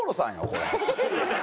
これ。